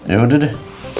ya udah deh